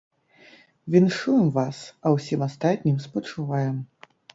Віншуем вас, а ўсім астатнім спачуваем.